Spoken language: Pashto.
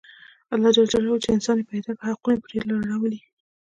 الله ج چې انسانان یې پیدا کړي حقونه یې پرې لورولي.